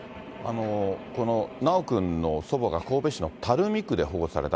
修くんの祖母が神戸市の垂水区で保護された。